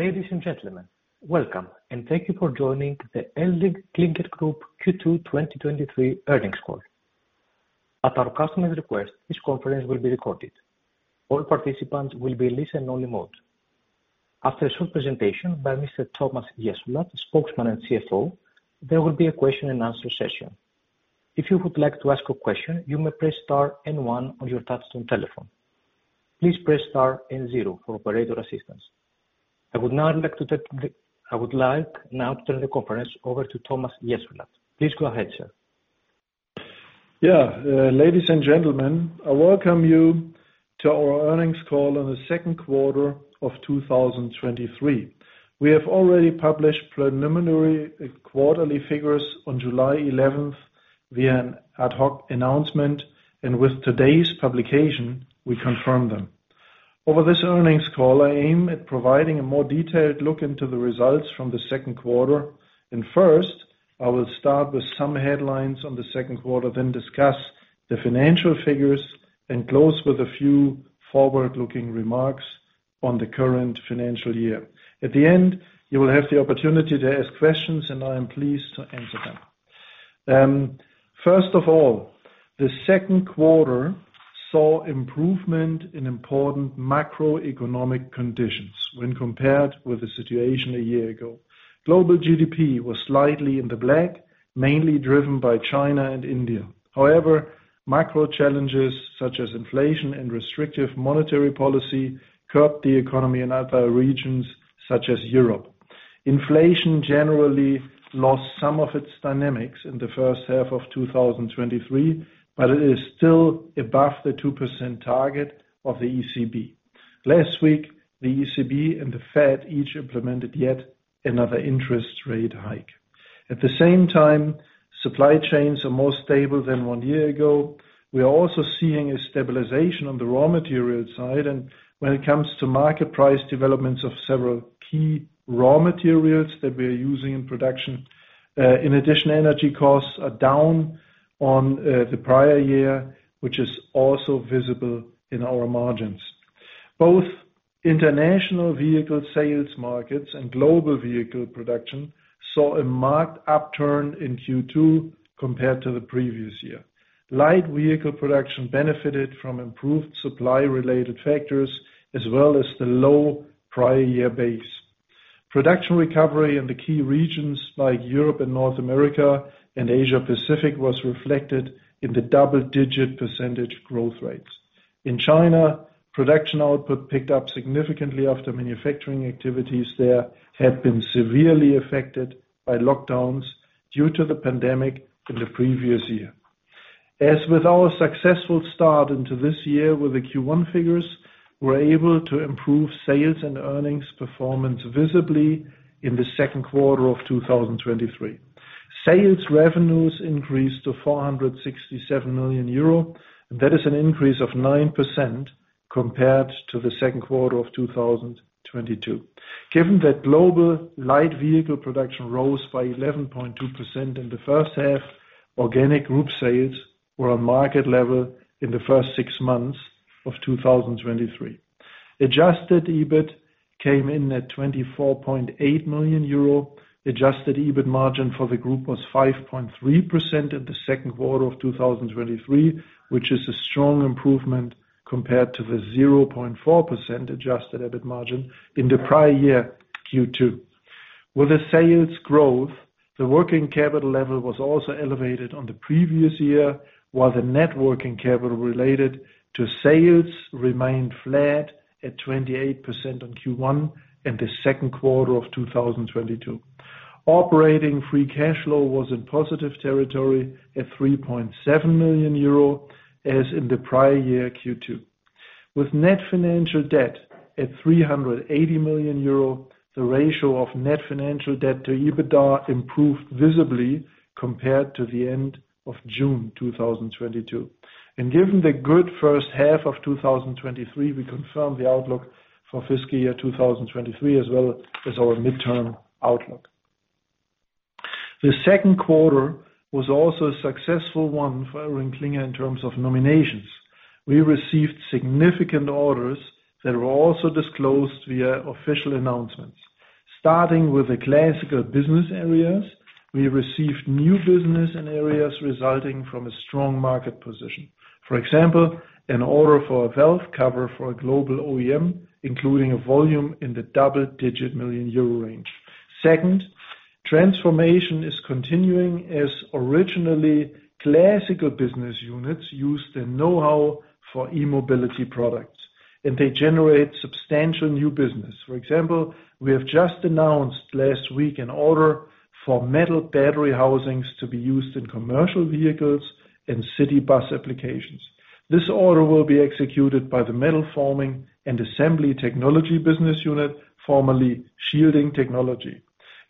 Ladies and gentlemen, welcome, and thank you for joining the ElringKlinger Group Q2 2023 Earnings Call. At our customer's request, this conference will be recorded. All participants will be in listen-only mode. After a short presentation by Mr. Thomas Jessulat, Spokesman and CFO, there will be a question and answer session. If you would like to ask a question, you may press star and one on your touch-tone telephone. Please press star and zero for operator assistance. I would now like to turn the conference over to Thomas Jessulat. Please go ahead, sir. Ladies and gentlemen, I welcome you to our earnings call on the second quarter of 2023. We have already published preliminary quarterly figures on July 11th via an ad hoc announcement. With today's publication, we confirm them. Over this earnings call, I aim at providing a more detailed look into the results from the second quarter, and first, I will start with some headlines on the second quarter, then discuss the financial figures, and close with a few forward-looking remarks on the current financial year. At the end, you will have the opportunity to ask questions, and I am pleased to answer them. First of all, the second quarter saw improvement in important macroeconomic conditions when compared with the situation a year ago. Global GDP was slightly in the black, mainly driven by China and India. However, macro challenges such as inflation and restrictive monetary policy curbed the economy in other regions, such as Europe. Inflation generally lost some of its dynamics in the first half of 2023, but it is still above the 2% target of the ECB. Last week, the ECB and the Fed each implemented yet another interest rate hike. At the same time, supply chains are more stable than one year ago. We are also seeing a stabilization on the raw material side, and when it comes to market price developments of several key raw materials that we are using in production, in addition, energy costs are down on the prior year, which is also visible in our margins. Both international vehicle sales markets and global vehicle production saw a marked upturn in Q2 compared to the previous year. Light vehicle production benefited from improved supply-related factors, as well as the low prior year base. Production recovery in the key regions like Europe, North America, and Asia Pacific was reflected in the double-digit percentage growth rates. In China, production output picked up significantly after manufacturing activities there had been severely affected by lockdowns due to the pandemic in the previous year. As with our successful start into this year with the Q1 figures, we're able to improve sales and earnings performance visibly in the second quarter of 2023. Sales revenues increased to 467 million euro, and that is an increase of 9% compared to the second quarter of 2022. Given that global light vehicle production rose by 11.2% in the first half, organic group sales were on market level in the first six months of 2023. Adjusted EBIT came in at 24.8 million euro. Adjusted EBIT margin for the group was 5.3% in the second quarter of 2023, which is a strong improvement compared to the 0.4% adjusted EBIT margin in the prior year, Q2. With the sales growth, the working capital level was also elevated on the previous year, while the net working capital related to sales remained flat at 28% on Q1 and the second quarter of 2022. Operating free cash flow was in positive territory at 3.7 million euro, as in the prior year, Q2. With net financial debt at 380 million euro, the ratio of net financial debt to EBITDA improved visibly compared to the end of June 2022. Given the good first half of 2023, we confirmed the outlook for fiscal year 2023, as well as our midterm outlook. The second quarter was also a successful one for ElringKlinger in terms of nominations. We received significant orders that were also disclosed via official announcements. Starting with the classical business areas, we received new business in areas resulting from a strong market position. For example, an order for a valve cover for a global OEM, including a volume in the double-digit million euro range. Second, transformation is continuing as originally classical business units use their know-how for e-mobility products, and they generate substantial new business. For example, we have just announced last week an order for metal battery housings to be used in commercial vehicles and city bus applications. This order will be executed by the Metal Forming & Assembly Technology business unit, formerly Shielding Technology.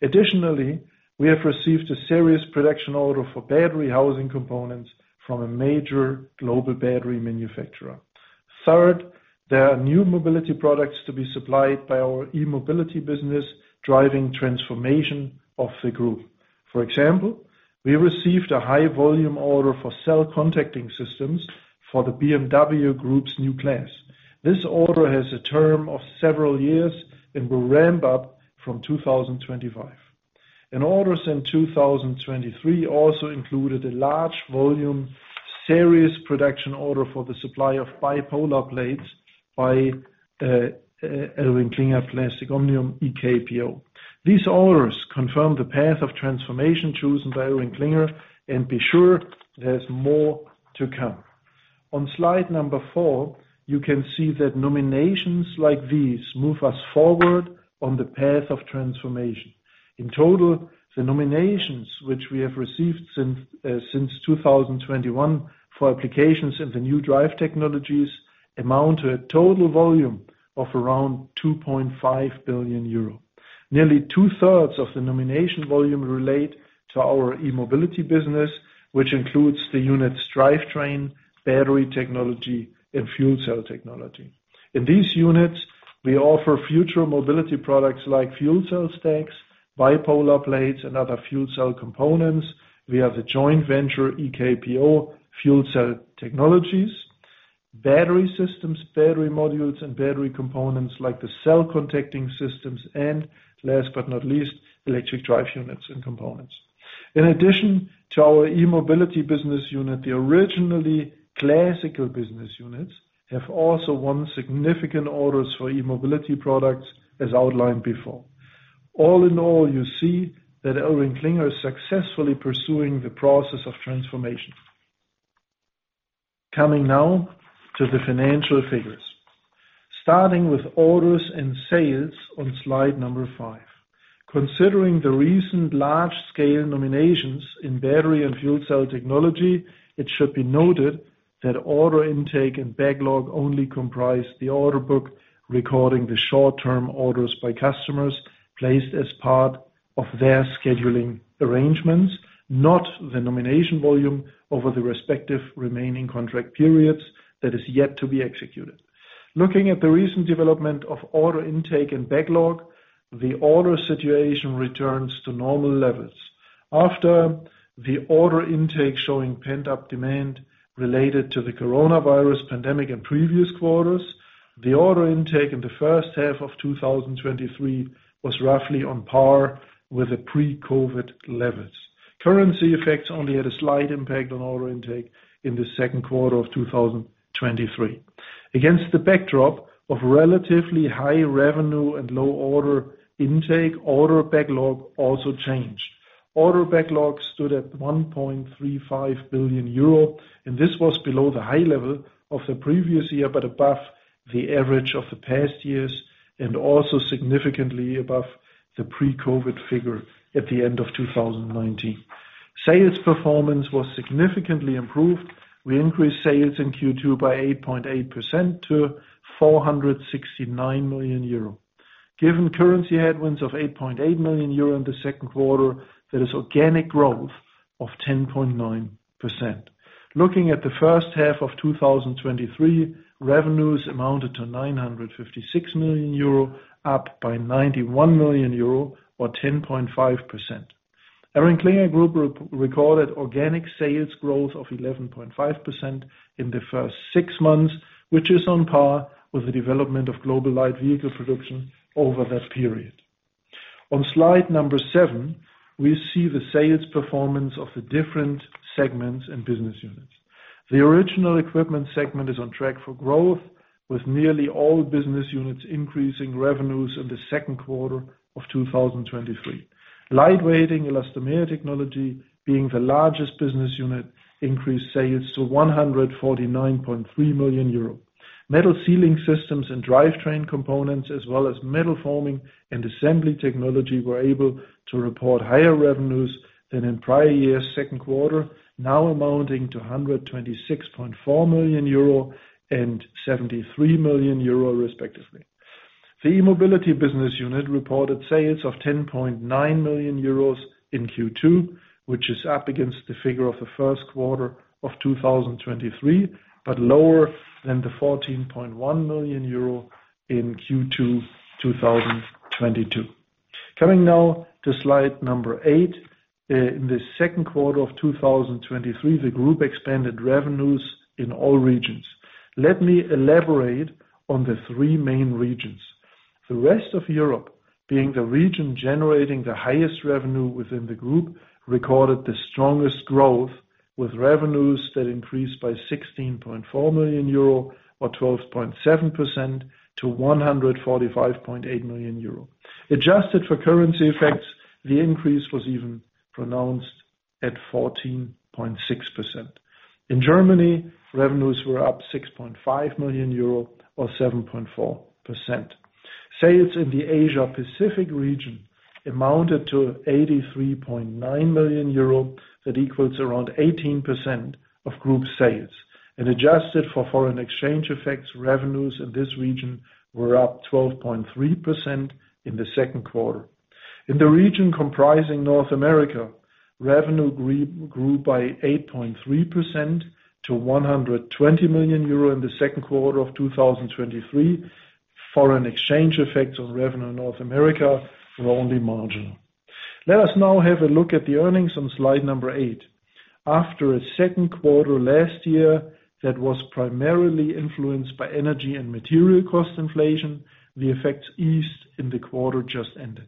Additionally, we have received a serious production order for battery housing components from a major global battery manufacturer. Third, there are new mobility products to be supplied by our e-mobility business-... driving transformation of the group. For example, we received a high volume order for cell contacting systems for the BMW Group's Neue Klasse. This order has a term of several years and will ramp up from 2025. Orders in 2023 also included a large volume, serious production order for the supply of bipolar plates by ElringKlinger Plastic Omnium, EKPO. These orders confirm the path of transformation chosen by ElringKlinger, and be sure there's more to come. On slide number four, you can see that nominations like these move us forward on the path of transformation. In total, the nominations which we have received since 2021, for applications in the new drive technologies, amount to a total volume of around 2.5 billion euro. Nearly two-thirds of the nomination volume relate to our e-mobility business, which includes the units drivetrain, battery technology, and fuel cell technology. In these units, we offer future mobility products like fuel cell stacks, bipolar plates, and other fuel cell components. We have the joint venture, EKPO Fuel Cell Technologies, battery systems, battery modules, and battery components, like the cell contacting systems, and last but not least, electric drive units and components. In addition to our e-mobility business unit, the originally classical business units have also won significant orders for e-mobility products, as outlined before. All in all, you see that ElringKlinger is successfully pursuing the process of transformation. Coming now to the financial figures. Starting with orders and sales on slide number five. Considering the recent large-scale nominations in battery and fuel cell technology, it should be noted that order intake and backlog only comprise the order book, recording the short-term orders by customers placed as part of their scheduling arrangements, not the nomination volume over the respective remaining contract periods that is yet to be executed. Looking at the recent development of order intake and backlog, the order situation returns to normal levels. After the order intake showing pent-up demand related to the coronavirus pandemic in previous quarters, the order intake in the first half of 2023 was roughly on par with the pre-COVID levels. Currency effects only had a slight impact on order intake in the second quarter of 2023. Against the backdrop of relatively high revenue and low order intake, order backlog also changed. Order backlog stood at 1.35 billion euro, and this was below the high level of the previous year, but above the average of the past years, and also significantly above the pre-COVID figure at the end of 2019. Sales performance was significantly improved. We increased sales in Q2 by 8.8% to 469 million euro. Given currency headwinds of 8.8 million euro in the second quarter, there is organic growth of 10.9%. Looking at the first half of 2023, revenues amounted to 956 million euro, up by 91 million euro or 10.5%. ElringKlinger Group recorded organic sales growth of 11.5% in the first six months, which is on par with the development of global light vehicle production over that period. On slide number seven, we see the sales performance of the different segments and business units. The original equipment segment is on track for growth, with nearly all business units increasing revenues in the second quarter of 2023. Lightweight Elastomer Technology, being the largest business unit, increased sales to 149.3 million euro. Metal Sealing Systems & Drivetrain Components, as well as Metal Forming & Assembly Technology, were able to report higher revenues than in prior years' second quarter, now amounting to 126.4 million euro and 73 million euro, respectively. The e-mobility business unit reported sales of 10.9 million euros in Q2, which is up against the figure of the first quarter of 2023, but lower than the 14.1 million euro in Q2, 2022. Coming now to slide number eight. In the second quarter of 2023, the group expanded revenues in all regions. Let me elaborate on the 3 main regions. The rest of Europe, being the region generating the highest revenue within the group, recorded the strongest growth, with revenues that increased by 16.4 million euro or 12.7% to 145.8 million euro. Adjusted for currency effects, the increase was even pronounced at 14.6%. In Germany, revenues were up 6.5 million euro or 7.4%. Sales in the Asia Pacific region amounted to 83.9 million euro. That equals around 18% of group sales. Adjusted for foreign exchange effects, revenues in this region were up 12.3% in the second quarter. In the region comprising North America, revenue grew by 8.3% to 120 million euro in the second quarter of 2023. Foreign exchange effect on revenue in North America were only marginal. Let us now have a look at the earnings on slide number eight. After a second quarter last year, that was primarily influenced by energy and material cost inflation, the effects eased in the quarter just ended.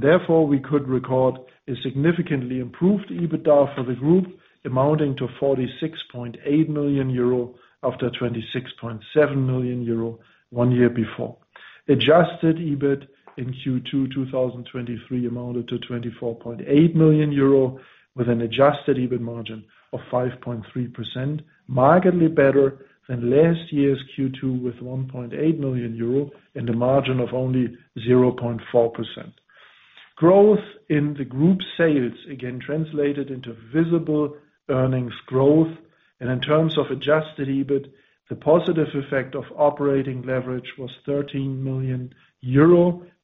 Therefore, we could record a significantly improved EBITDA for the group, amounting to 46.8 million euro, after 26.7 million euro one year before. Adjusted EBIT in Q2, 2023, amounted to 24.8 million euro, with an adjusted EBIT margin of 5.3%, markedly better than last year's Q2 with 1.8 million euro and a margin of only 0.4%. Growth in the group sales, again, translated into visible earnings growth, and in terms of adjusted EBIT, the positive effect of operating leverage was 13 million euro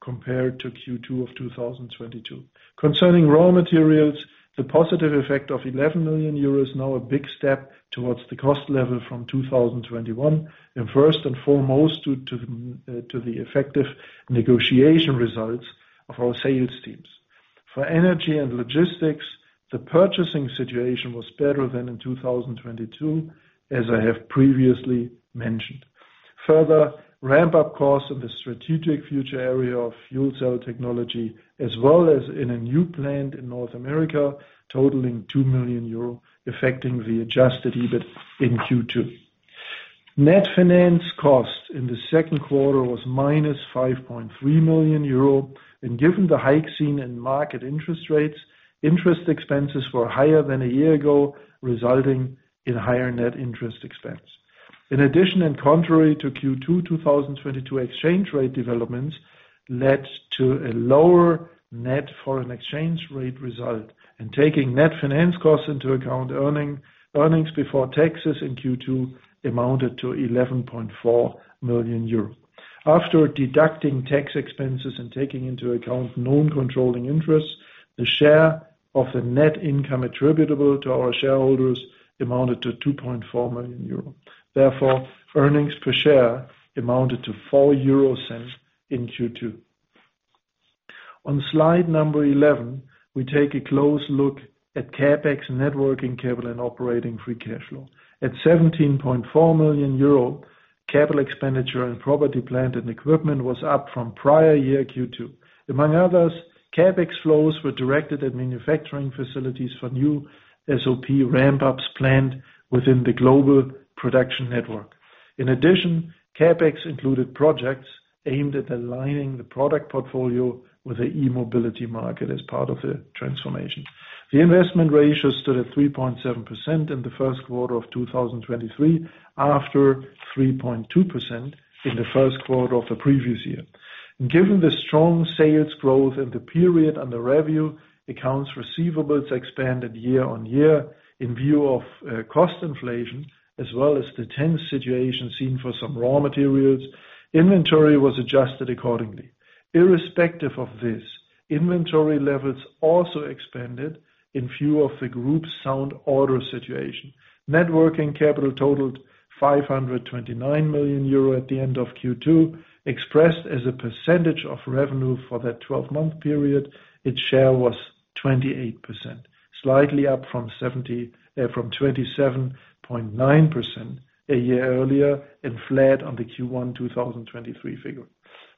compared to Q2 2022. Concerning raw materials, the positive effect of 11 million euros, now a big step towards the cost level from 2021, and first and foremost, due to the effective negotiation results of our sales teams. For energy and logistics, the purchasing situation was better than in 2022, as I have previously mentioned. Further, ramp-up costs in the strategic future area of fuel cell technology, as well as in a new plant in North America, totaling 2 million euro, affecting the adjusted EBIT in Q2. Net finance cost in the second quarter was -5.3 million euro. Given the hike seen in market interest rates, interest expenses were higher than a year ago, resulting in higher net interest expense. In addition, contrary to Q2 2022 exchange rate developments led to a lower net foreign exchange rate result. Taking net finance costs into account, earnings before taxes in Q2 amounted to 11.4 million euro. After deducting tax expenses and taking into account non-controlling interests, the share of the net income attributable to our shareholders amounted to 2.4 million euro. Therefore, earnings per share amounted to 0.04 in Q2. On slide number 11, we take a close look at CapEx, net working capital, and operating free cash flow. At 17.4 million euro, capital expenditure and property, plant, and equipment was up from prior-year Q2. Among others, CapEx flows were directed at manufacturing facilities for new SOP ramp-ups planned within the global production network. CapEx included projects aimed at aligning the product portfolio with the e-mobility market as part of the transformation. The investment ratio stood at 3.7% in the first quarter of 2023, after 3.2% in the first quarter of the previous year. Given the strong sales growth in the period under review, accounts receivables expanded year-on-year in view of cost inflation, as well as the tense situation seen for some raw materials. Inventory was adjusted accordingly. Irrespective of this, inventory levels also expanded in view of the group's sound order situation. Net working capital totaled 529 million euro at the end of Q2, expressed as a percentage of revenue for that 12-month period, its share was 28%, slightly up from 27.9% a year earlier and flat on the Q1 2023 figure.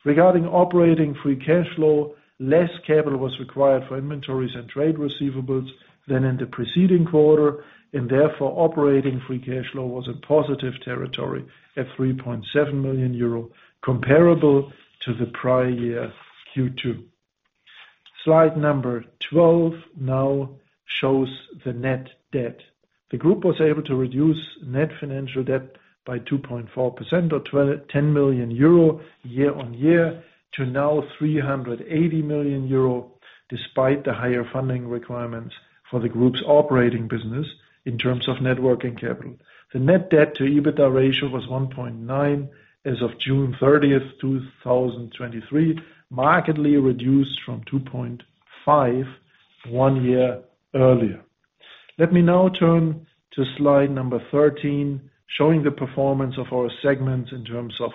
Regarding operating free cash flow, less capital was required for inventories and trade receivables than in the preceding quarter, and therefore, operating free cash flow was in positive territory at 3.7 million euro, comparable to the prior year Q2. Slide number 12 now shows the net debt. The group was able to reduce net financial debt by 2.4%, or 10 million euro year-on-year to now 380 million euro, despite the higher funding requirements for the group's operating business in terms of net working capital. The net debt to EBITDA ratio was 1.9 as of June 30th, 2023, markedly reduced from 2.5 one year earlier. Let me now turn to slide number 13, showing the performance of our segments in terms of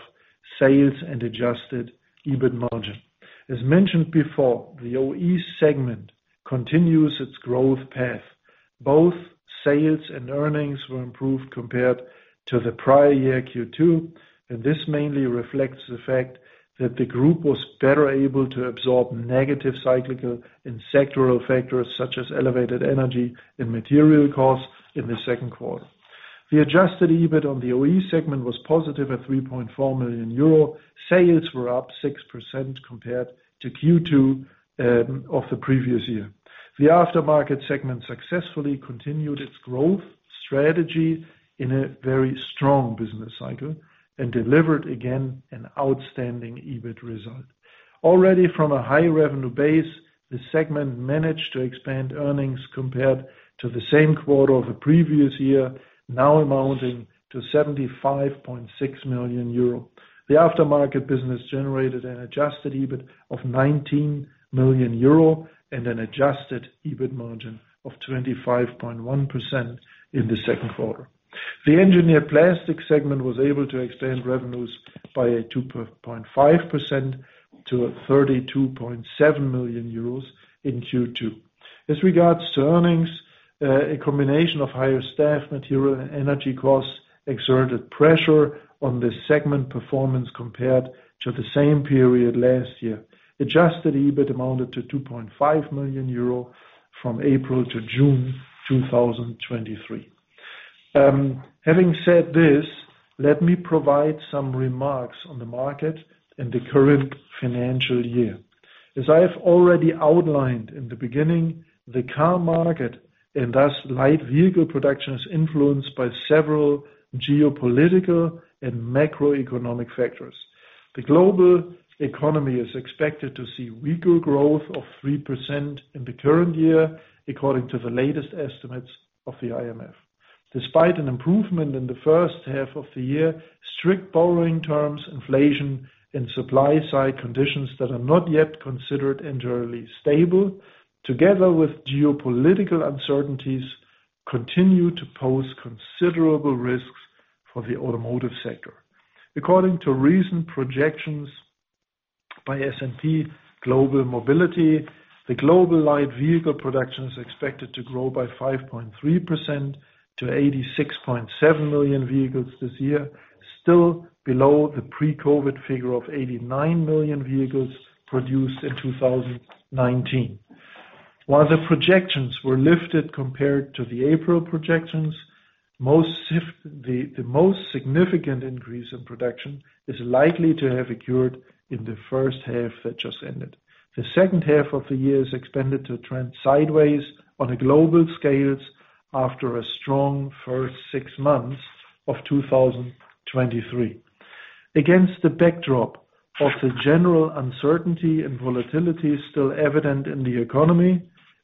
sales and adjusted EBIT margin. As mentioned before, the OE segment continues its growth path. Both sales and earnings were improved compared to the prior year Q2. This mainly reflects the fact that the group was better able to absorb negative cyclical and sectoral factors, such as elevated energy and material costs in the second quarter. The adjusted EBIT on the OE segment was positive at 3.4 million euro. Sales were up 6% compared to Q2 of the previous year. The aftermarket segment successfully continued its growth strategy in a very strong business cycle and delivered again, an outstanding EBIT result. Already from a high revenue base, the segment managed to expand earnings compared to the same quarter of the previous year, now amounting to 75.6 million euro. The aftermarket business generated an adjusted EBIT of 19 million euro and an adjusted EBIT margin of 25.1% in the second quarter. The Engineered Plastics segment was able to extend revenues by a 2.5% to 32.7 million euros in Q2. As regards to earnings, a combination of higher staff, material, and energy costs exerted pressure on the segment performance compared to the same period last year. Adjusted EBIT amounted to 2.5 million euro from April to June, 2023. Having said this, let me provide some remarks on the market and the current financial year. As I have already outlined in the beginning, the car market, and thus light vehicle production, is influenced by several geopolitical and macroeconomic factors. The global economy is expected to see weaker growth of 3% in the current year, according to the latest estimates of the IMF. Despite an improvement in the first half of the year, strict borrowing terms, inflation, and supply-side conditions that are not yet considered entirely stable, together with geopolitical uncertainties, continue to pose considerable risks for the automotive sector. According to recent projections by S&P Global Mobility, the global light vehicle production is expected to grow by 5.3% to 86.7 million vehicles this year, still below the pre-COVID figure of 89 million vehicles produced in 2019. While the projections were lifted compared to the April projections, the most significant increase in production is likely to have occurred in the first half that just ended. The second half of the year is expected to trend sideways on a global scales after a strong first six months of 2023. Against the backdrop of the general uncertainty and volatility still evident in the economy,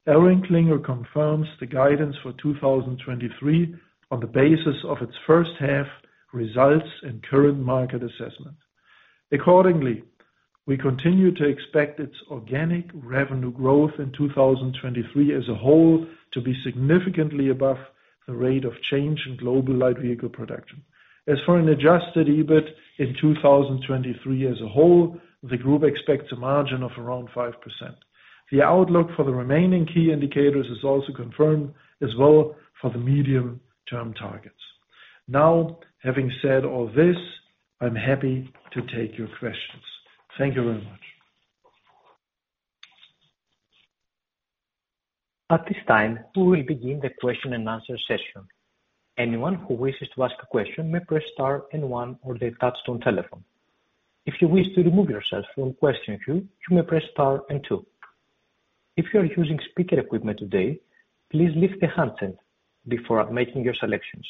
ElringKlinger confirms the guidance for 2023 on the basis of its first half results and current market assessment. Accordingly, we continue to expect its organic revenue growth in 2023 as a whole to be significantly above the rate of change in global light vehicle production. As for an adjusted EBIT in 2023 as a whole, the group expects a margin of around 5%. The outlook for the remaining key indicators is also confirmed as well for the medium-term targets. Having said all this, I'm happy to take your questions. Thank you very much. At this time, we will begin the question and answer session. Anyone who wishes to ask a question may press star one on their touch-tone telephone. If you wish to remove yourself from question queue, you may press star two. If you are using speaker equipment today, please lift the handset before making your selections.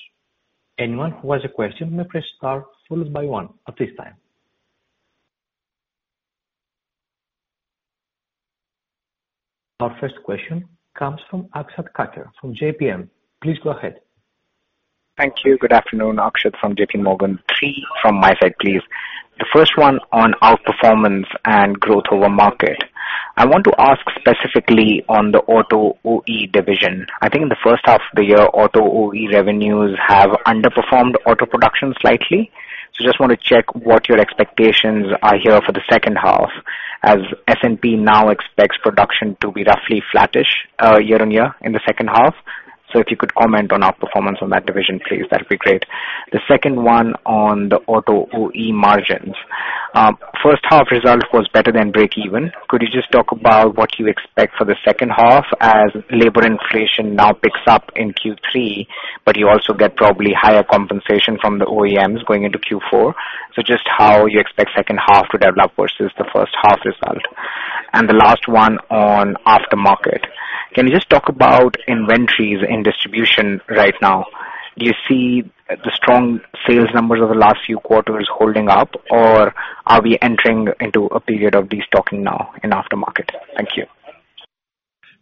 Anyone who has a question may press star one at this time. Our first question comes from Akshat Kacker from JPM. Please go ahead. Thank you. Good afternoon, Akshat from JPMorgan. Three from my side, please. The first one on outperformance and growth over market. I want to ask specifically on the Auto OE division. I think in the first half of the year, Auto OE revenues have underperformed auto production slightly. Just want to check what your expectations are here for the second half, as S&P now expects production to be roughly flattish year-on-year in the second half. If you could comment on our performance on that division, please, that'd be great. The second one on the Auto OE margins. First half result was better than breakeven. Could you just talk about what you expect for the second half, as labor inflation now picks up in Q3, but you also get probably higher compensation from the OEMs going into Q4? Just how you expect second half to develop versus the first half result. The last one on aftermarket. Can you just talk about inventories and distribution right now? Do you see the strong sales numbers over the last few quarters holding up, or are we entering into a period of destocking now in aftermarket? Thank you.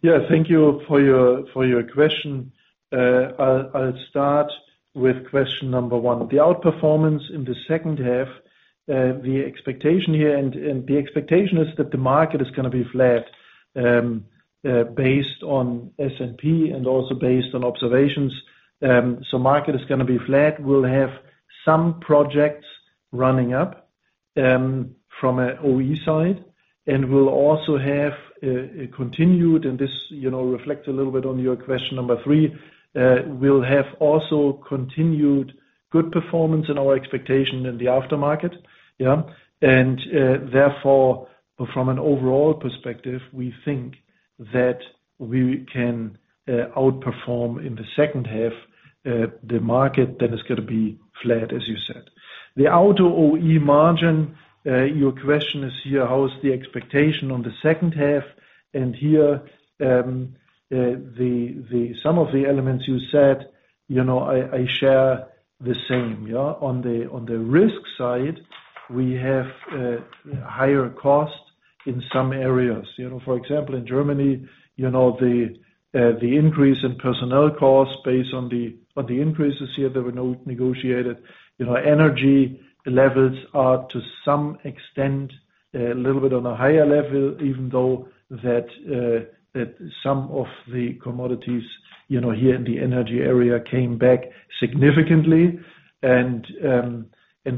Yeah, thank you for your, for your question. I'll start with question number one. The outperformance in the second half, the expectation here, and the expectation is that the market is gonna be flat, based on S&P and also based on observations. Market is gonna be flat. We'll have some projects running up from a OE side, and we'll also have a continued, and this, you know, reflects a little bit on your question number three, we'll have also continued good performance in our expectation in the aftermarket, yeah? Therefore, from an overall perspective, we think that we can outperform in the second half the market, that is gonna be flat, as you said. The Auto OE margin, your question is here: How is the expectation on the second half? Here, the some of the elements you said, you know, I, I share the same, yeah? On the, on the risk side, we have higher costs in some areas. You know, for example, in Germany, you know, the increase in personnel costs based on the, on the increases here that were negotiated. You know, energy levels are to some extent a little bit on a higher level, even though that some of the commodities, you know, here in the energy area came back significantly.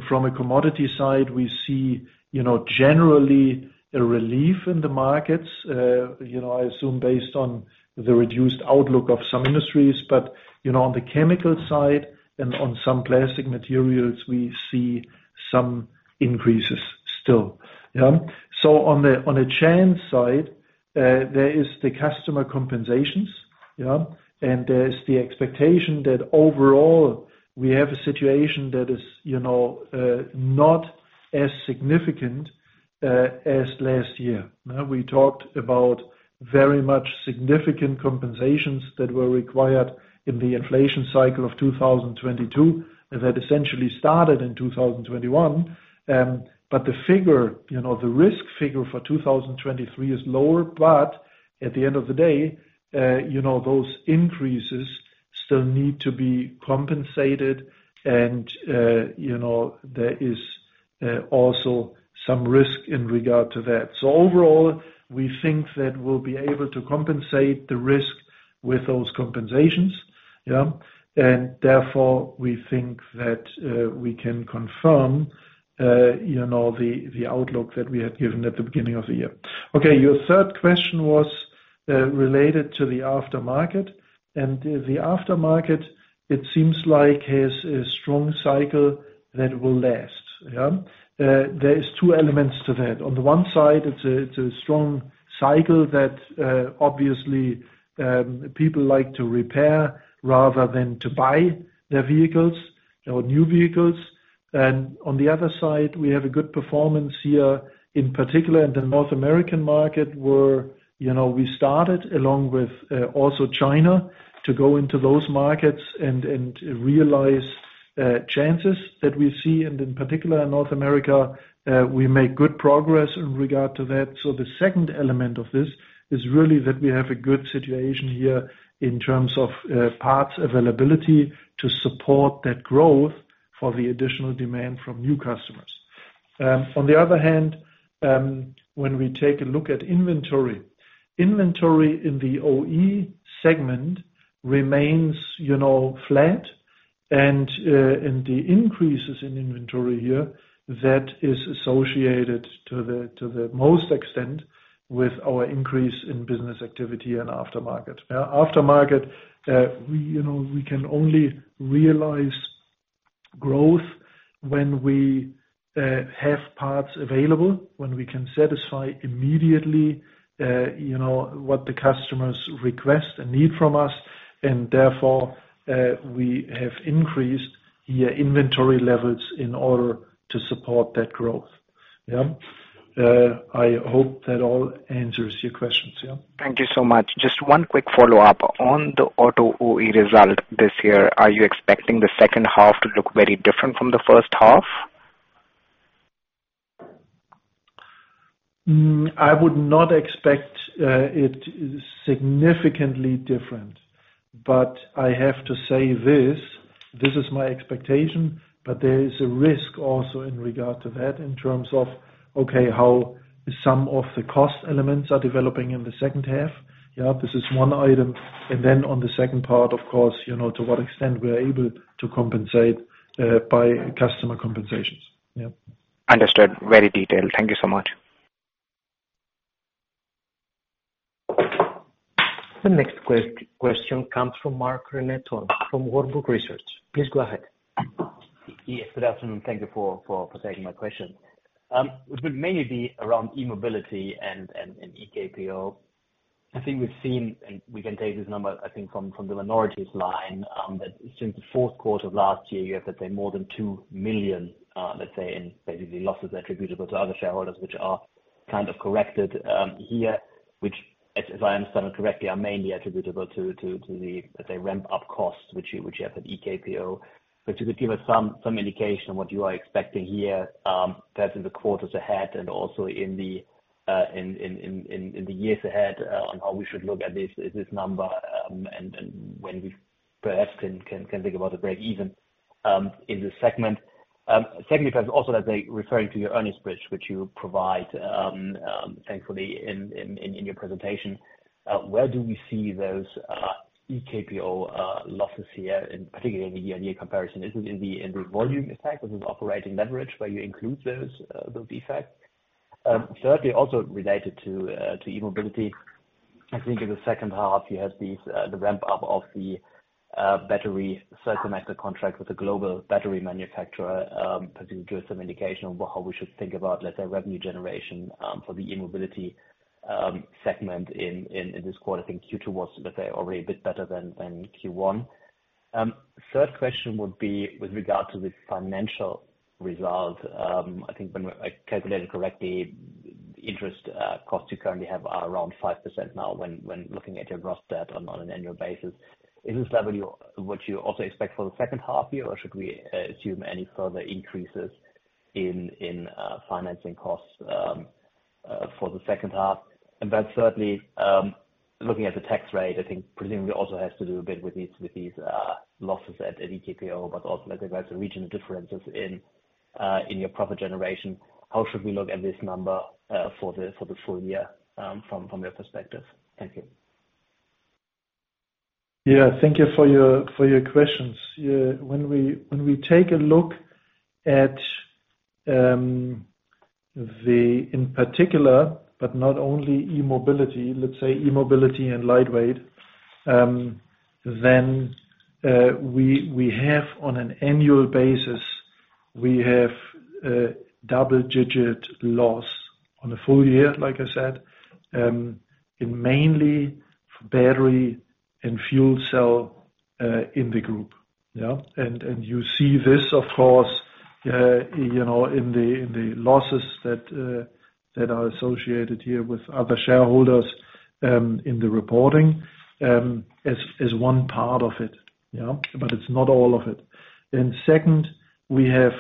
From a commodity side, we see, you know, generally a relief in the markets, you know, I assume, based on the reduced outlook of some industries. You know, on the chemical side and on some plastic materials, we see some increases still. Yeah. On the, on the chain side, there is the customer compensations, yeah, and there is the expectation that overall we have a situation that is, you know, not as significant as last year. Now, we talked about very much significant compensations that were required in the inflation cycle of 2022, and that essentially started in 2021. The figure, you know, the risk figure for 2023 is lower, but at the end of the day, you know, those increases still need to be compensated. You know, there is also some risk in regard to that. Overall, we think that we'll be able to compensate the risk with those compensations, yeah. Therefore, we think that we can confirm, you know, the, the outlook that we had given at the beginning of the year. Okay, your third question was related to the aftermarket, and the aftermarket, it seems like, is a strong cycle that will last, yeah? There is two elements to that. On the one side, it's a, it's a strong cycle that obviously people like to repair rather than to buy their vehicles or new vehicles. On the other side, we have a good performance here, in particular in the North American market, where, you know, we started along with also China, to go into those markets and, and realize, chances that we see, and in particular in North America, we make good progress in regard to that. The second element of this is really that we have a good situation here in terms of parts availability to support that growth for the additional demand from new customers. On the other hand, when we take a look at inventory, inventory in the OE segment remains, you know, flat and the increases in inventory here, that is associated to the most extent with our increase in business activity and aftermarket. Aftermarket, we, you know, we can only realize growth when we have parts available, when we can satisfy immediately, you know, what the customers request and need from us, and therefore, we have increased the inventory levels in order to support that growth. Yeah. I hope that all answers your questions, yeah. Thank you so much. Just one quick follow-up. On the Auto OE result this year, are you expecting the second half to look very different from the first half? I would not expect it significantly different, but I have to say this, this is my expectation, but there is a risk also in regard to that, in terms of, okay, how some of the cost elements are developing in the second half. This is one item. On the second part, of course, you know, to what extent we are able to compensate by customer compensations. Understood. Very detailed. Thank you so much. The next question comes from Marc-René Tonn, from Warburg Research. Please go ahead. Yes, good afternoon. Thank you for taking my question. It will mainly be around e-mobility and EKPO. I think we've seen, and we can take this number, I think, from the minorities line, that since the fourth quarter of last year, you have to pay more than 2 million, let's say, in basically losses attributable to other shareholders, which are kind of corrected here, which, as I understand it correctly, are mainly attributable to the ramp-up costs which you have at EKPO. You could give us some, some indication on what you are expecting here, perhaps in the quarters ahead and also in the years ahead, on how we should look at this, at this number, and, and when we perhaps can, can, can think about the break-even in this segment. Secondly, because also, as I referring to your earnings bridge, which you provide, thankfully in your presentation, where do we see those EKPO losses here, and particularly in the year-on-year comparison? Is it in the volume effect, or is it operating leverage, where you include those effects? Thirdly, also related to e-mobility. I think in the second half, you have these, the ramp up of the battery circular contract with the global battery manufacturer. Perhaps you give us some indication on how we should think about, let's say, revenue generation for the e-mobility segment in this quarter. I think Q2 was, let's say, already a bit better than Q1. Third question would be with regard to the financial result. I think when I calculated correctly, interest costs you currently have are around 5% now, when looking at your gross debt on an annual basis. Is this level what you also expect for the second half year, or should we assume any further increases in financing costs for the second half? Certainly, looking at the tax rate, I think presumably also has to do a bit with these, with these, losses at, at EKPO, but also, like, the regional differences in, in your profit generation. How should we look at this number for the, for the full year, from, from your perspective? Thank you. Thank you for your, for your questions. When we, when we take a look at the, in particular, but not only e-mobility, let's say e-mobility and lightweight, then we, we have on an annual basis, we have double-digit loss on a full year, like I said, in mainly battery and fuel cell in the group. You see this, of course, you know, in the, in the losses that are associated here with other shareholders in the reporting is one part of it, you know? It's not all of it. Second, we have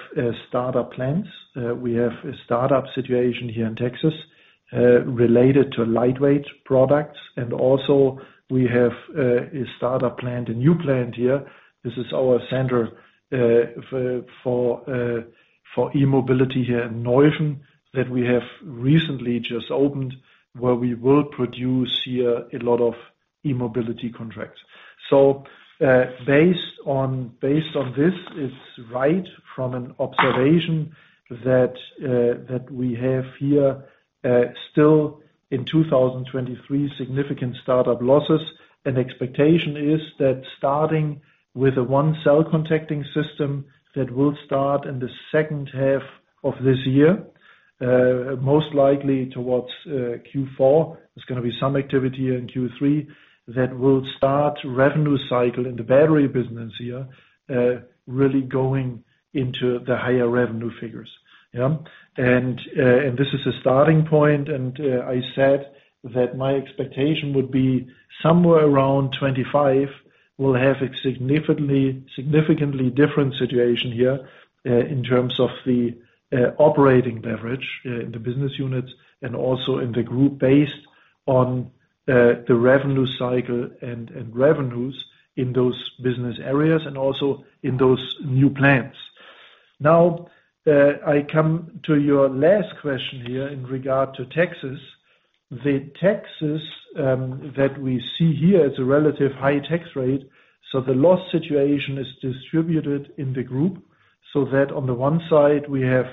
start-up plans. We have a start-up situation here in Texas, related to lightweight products, and also we have a start-up plant, a new plant here. This is our center, for, for, for e-mobility here in Neuffen, that we have recently just opened, where we will produce here a lot of e-mobility contracts. Based on, based on this, it's right from an observation that we have here, still in 2023, significant start-up losses. Expectation is that starting with a one cell contacting system, that will start in the second half of this year, most likely towards Q4. There's gonna be some activity in Q3, that will start revenue cycle in the battery business here, really going into the higher revenue figures, yeah? This is a starting point, I said that my expectation would be somewhere around 25, we'll have a significantly, significantly different situation here, in terms of the operating leverage, in the business units, and also in the group based on the revenue cycle and revenues in those business areas, and also in those new plants. Now, I come to your last question here in regard to taxes. The taxes that we see here, it's a relative high tax rate, so the loss situation is distributed in the group. That on the one side, we have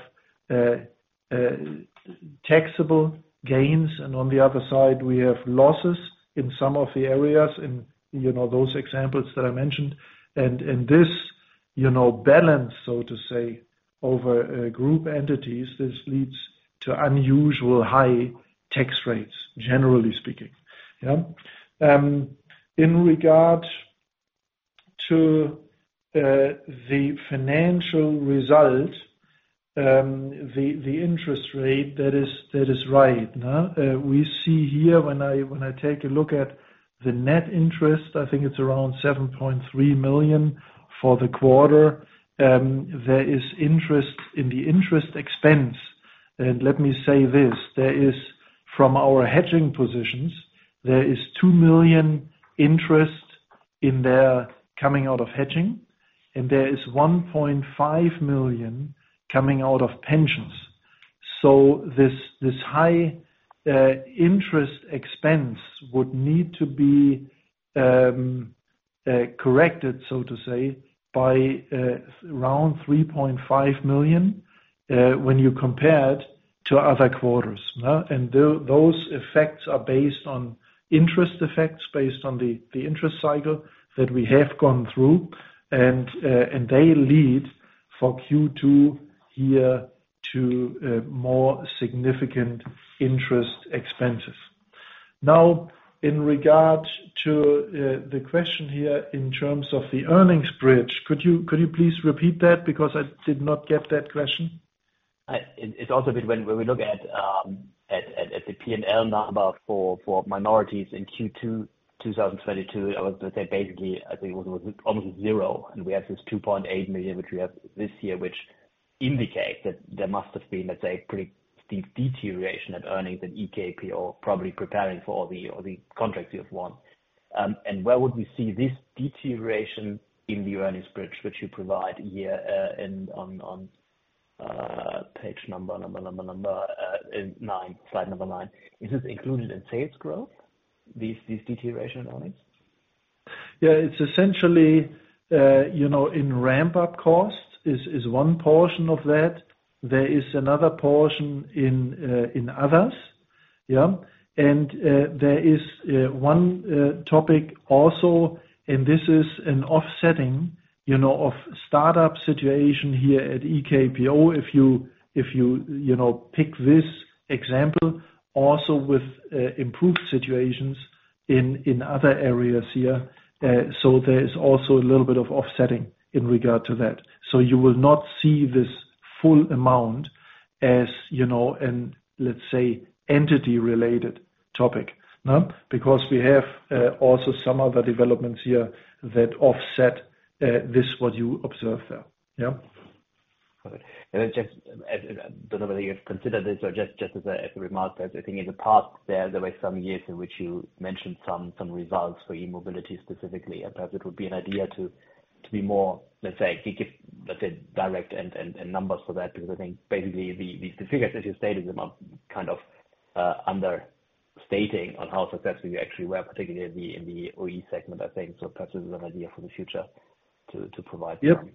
taxable gains, and on the other side, we have losses in some of the areas, in, you know, those examples that I mentioned. This, you know, balance, so to say, over group entities, this leads to unusual high tax rates, generally speaking, yeah? In regard to the financial result, the interest rate, that is, that is right, huh? We see here when I, when I take a look at the net interest, I think it's around 7.3 million for the quarter. There is interest in the interest expense. Let me say this: there is, from our hedging positions, there is 2 million interest in there coming out of hedging, and there is 1.5 million coming out of pensions. This, this high interest expense would need to be corrected, so to say, by around 3.5 million when you compare it to other quarters, huh? Those effects are based on interest effects, based on the, the interest cycle that we have gone through, and they lead for Q2 here to a more significant interest expenses. Now, in regard to the question here in terms of the earnings bridge, could you please repeat that? Because I did not get that question. It's also been when, when we look at, at, at, at the P&L number for, for minorities in Q2 2022, I would say basically, I think it was almost zero. We have this 2.8 million, which we have this year, which indicate that there must have been, let's say, pretty deep deterioration of earnings and EKPO, probably preparing for the, or the contracts you have won. Where would we see this deterioration in the earnings bridge which you provide here, on page number nine, slide number nine? Is this included in sales growth, these, these deterioration earnings? Yeah, it's essentially, you know, in ramp-up costs, is, is one portion of that. There is another portion in, in others, yeah? There is one topic also, and this is an offsetting, you know, of start-up situation here at EKPO. If you, if you, you know, pick this example, also with improved situations in, in other areas here, there is also a little bit of offsetting in regard to that. You will not see this full amount as you know, and let's say, entity-related topic, huh? Because we have also some other developments here that offset this what you observed there. Yeah. Got it. I don't know whether you've considered this or just, just as a remark, that I think in the past there, there were some years in which you mentioned some, some results for e-mobility specifically. Perhaps it would be an idea to, to be more, let's say, give, let's say, direct and, and, numbers for that. Basically the, the, figures that you stated them are kind of understating on how successful you actually were, particularly in the OE segment, I think. This is an idea for the future to, to provide- Yep.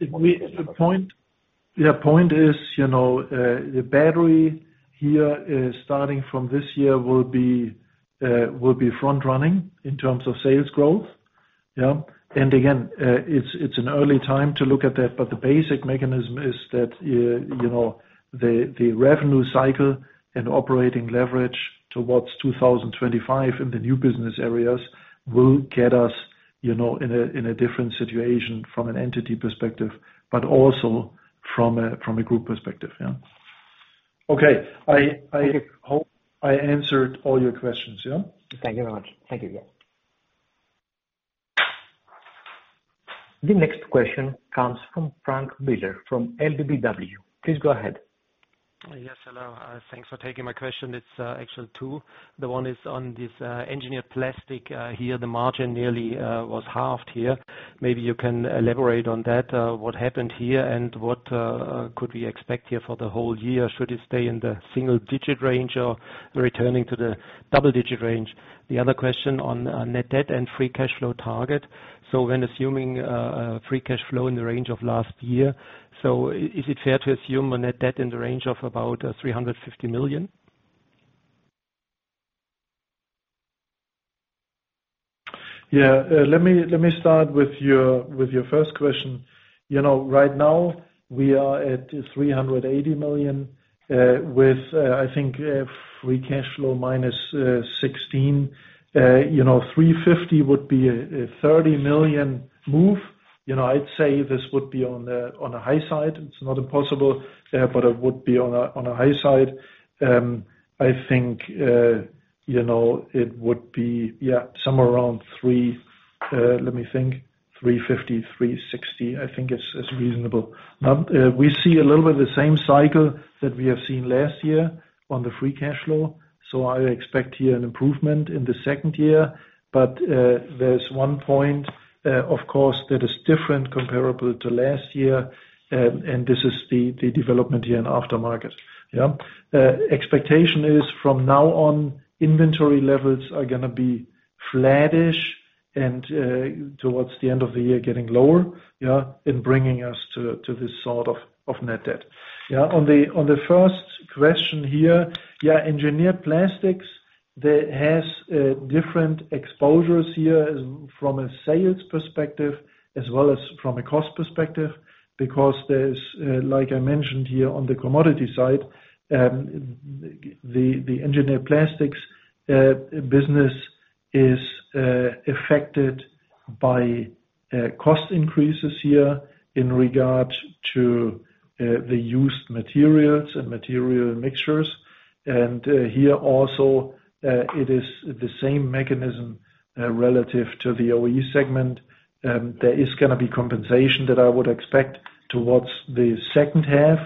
Point is, you know, the battery here, starting from this year will be, will be front running in terms of sales growth. Yeah. Again, it's, it's an early time to look at that, but the basic mechanism is that, you know, the, the revenue cycle and operating leverage towards 2025 in the new business areas will get us, you know, in a, in a different situation from an entity perspective, but also from a, from a group perspective, yeah. Okay. I, I hope I answered all your questions, yeah? Thank you very much. Thank you, yeah. The next question comes from Frank Biller from LBBW. Please go ahead. Yes, hello. Thanks for taking my question. It's actually two. The one is on this Engineered Plastics. Here, the margin nearly was halved here. Maybe you can elaborate on that. What happened here, and what could we expect here for the whole year? Should it stay in the single digit range or returning to the double digit range? The other question on net debt and free cash flow target. When assuming free cash flow in the range of last year, is it fair to assume a net debt in the range of about 350 million? Yeah, let me, let me start with your, with your first question. You know, right now, we are at 380 million with, I think, free cash flow minus 16. You know, 350 would be a, a 30 million move. You know, I'd say this would be on a, on a high side. It's not impossible, it would be on a, on a high side. I think, you know, it would be, yeah, somewhere around three, let me think, 350, 360, I think is, is reasonable. We see a little bit of the same cycle that we have seen last year on the free cash flow, I expect here an improvement in the second year. There's one point, of course, that is different comparable to last year, and this is the development here in aftermarket. Expectation is from now on, inventory levels are gonna be flattish and towards the end of the year, getting lower, and bringing us to this sort of net debt. On the first question here, Engineered Plastics, that has different exposures here from a sales perspective as well as from a cost perspective. There's, like I mentioned here, on the commodity side, the Engineered Plastics business is affected by cost increases here in regard to the used materials and material mixtures. Here also, it is the same mechanism relative to the OE segment. There is gonna be compensation that I would expect towards the second half,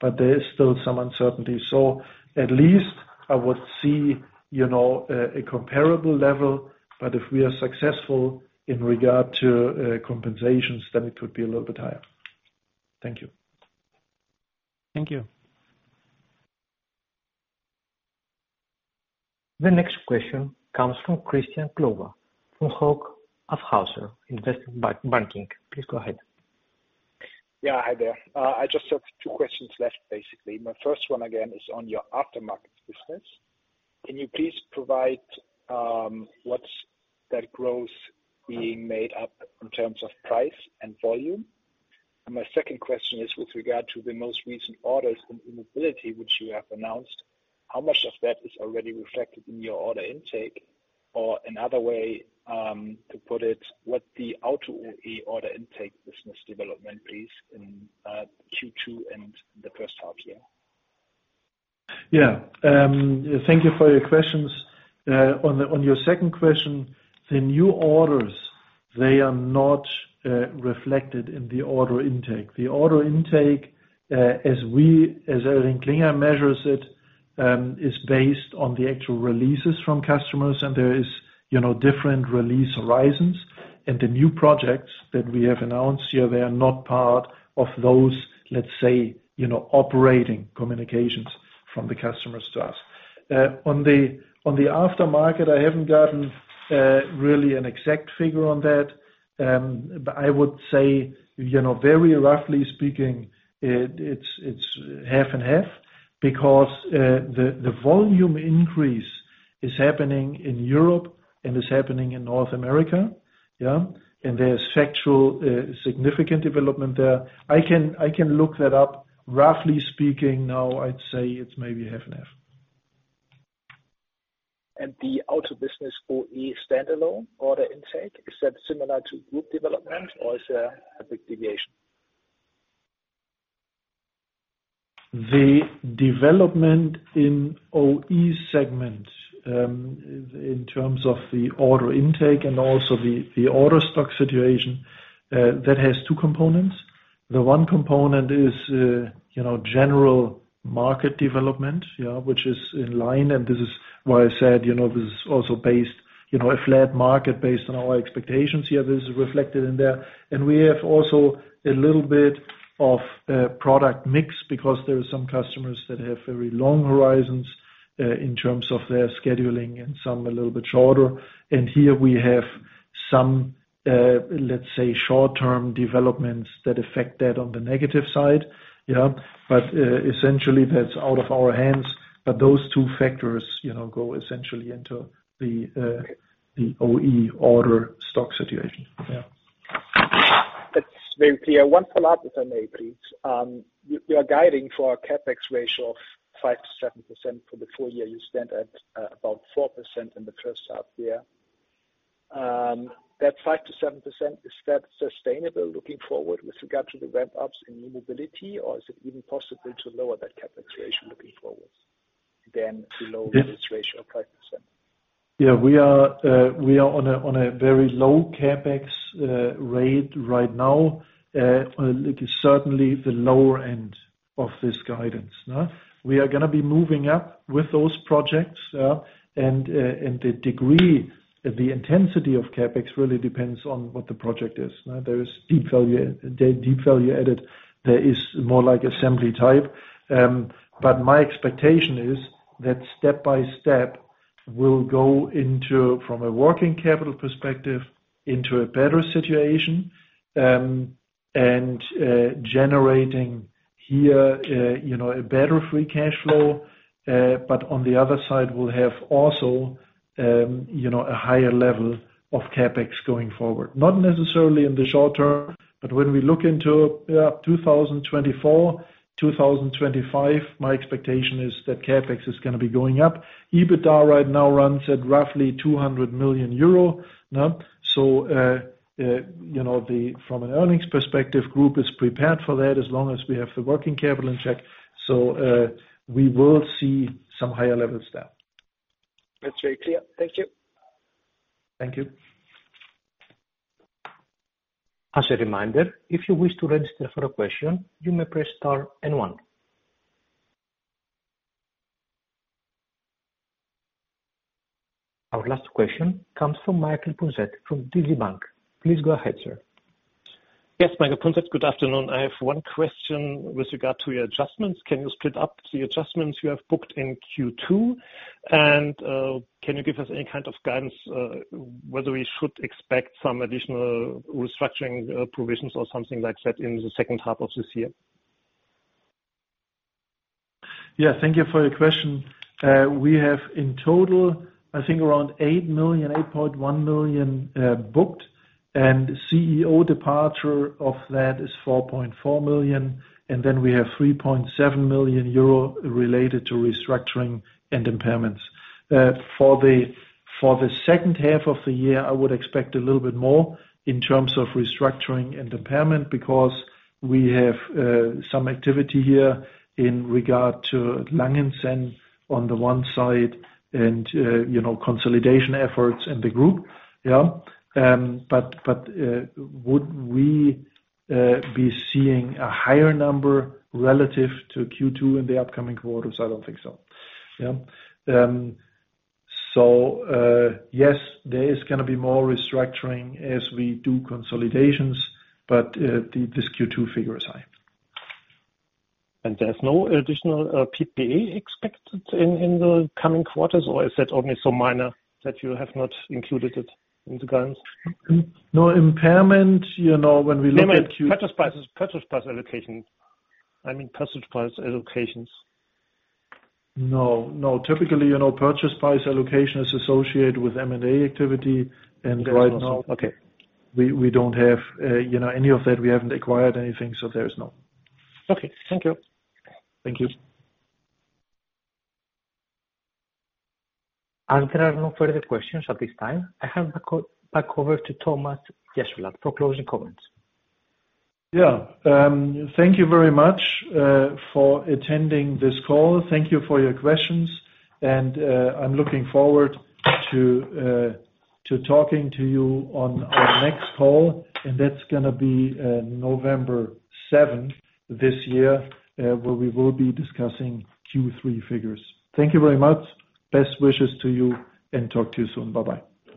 but there is still some uncertainty. At least I would see, you know, a comparable level. If we are successful in regard to compensations, then it would be a little bit higher. Thank you. Thank you. The next question comes from Christian Glowa, from Hauck Aufhäuser Investment Banking. Please go ahead. Yeah, hi there. I just have two questions left, basically. My first one, again, is on your aftermarket business. Can you please provide, what's that growth being made up in terms of price and volume? My second question is with regard to the most recent orders from e-mobility, which you have announced, how much of that is already reflected in your order intake? Another way to put it, what the Auto OE order intake business development is in Q2 and the first half year? Yeah. Thank you for your questions. On the- on your second question, the new orders, they are not reflected in the order intake. The order intake, as we, as ElringKlinger measures it, is based on the actual releases from customers, and there is, you know, different release horizons. The new projects that we have announced here, they are not part of those, let's say, you know, operating communications from the customers to us. On the, on the aftermarket, I haven't gotten really an exact figure on that. I would say, you know, very roughly speaking, it- it's, it's half and half, because the, the volume increase is happening in Europe and is happening in North America. Yeah, there's factual significant development there. I can, I can look that up. Roughly speaking, now, I'd say it's maybe 50/50. And the Auto Business OE standalone order intake, is that similar to group development or is there a big deviation? The development in OE segment, in terms of the order intake and also the, the order stock situation, that has two components. The one component is, you know, general market development, yeah, which is in line, this is why I said, you know, this is also based, you know, a flat market based on our expectations. This is reflected in there. We have also a little bit of, product mix, because there are some customers that have very long horizons, in terms of their scheduling and some a little bit shorter. Here we have some, let's say, short-term developments that affect that on the negative side, yeah? Essentially, that's out of our hands. Those two factors, you know, go essentially into the, the OE order stock situation. That's very clear. One follow-up, if I may, please. You, you are guiding for a CapEx ratio of 5%-7% for the full year. You stand at about 4% in the first half year. That 5%-7%, is that sustainable looking forward with regard to the ramp-ups in new mobility? Or is it even possible to lower that CapEx ratio looking forward, then below this ratio of 5%? Yeah, we are, we are on a, on a very low CapEx rate right now. It is certainly the lower end of this guidance. We are gonna be moving up with those projects, and, and the degree, the intensity of CapEx really depends on what the project is. Now, there is deep value, deep value added. There is more like assembly type. My expectation is that step by step, we'll go into, from a working capital perspective, into a better situation, and, generating here, you know, a better free cash flow. On the other side, we'll have also, you know, a higher level of CapEx going forward. Not necessarily in the short term, but when we look into, yeah, 2024, 2025, my expectation is that CapEx is gonna be going up. EBITDA right now runs at roughly 200 million euro, no? You know, the, from an earnings perspective, group is prepared for that as long as we have the working capital in check. We will see some higher levels there. That's very clear. Thank you. Thank you. As a reminder, if you wish to register for a question, you may press star and one. Our last question comes from Michael Punzet from DZ Bank. Please go ahead, sir. Yes, Michael Punzet. Good afternoon. I have one question with regard to your adjustments. Can you split up the adjustments you have booked in Q2? Can you give us any kind of guidance whether we should expect some additional restructuring provisions or something like that in the second half of this year? Yeah, thank you for your question. We have in total, I think, around 8 million, 8.1 million booked. CEO departure of that is 4.4 million. Then we have 3.7 million euro related to restructuring and impairments. For the second half of the year, I would expect a little bit more in terms of restructuring and impairment, because we have some activity here in regard to Langenzenn on the one side and, you know, consolidation efforts in the group. Yeah. Would we be seeing a higher number relative to Q2 in the upcoming quarters? I don't think so. Yes, there is gonna be more restructuring as we do consolidations, but this Q2 figure is high. There's no additional PPA expected in, in the coming quarters, or is that only so minor that you have not included it in the guidance? No impairment, you know, when we look at Purchase prices, purchase price allocation. I mean, purchase price allocations. No, no. Typically, you know, purchase price allocation is associated with M&A activity, and right now Okay. We don't have, you know, any of that. We haven't acquired anything, so there is no. Okay. Thank you. Thank you. As there are no further questions at this time, I hand back back over to Thomas Jessulat for closing comments. Yeah. Thank you very much for attending this call. Thank you for your questions. I'm looking forward to talking to you on our next call, and that's gonna be November 7th this year, where we will be discussing Q3 figures. Thank you very much. Best wishes to you, and talk to you soon. Bye-bye.